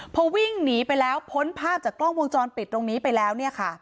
พอวิ่งหนีไปแล้วพ้นภาพจากกล้องวงจรปิดตรงนี้ไปแล้วเนี่ยค่ะ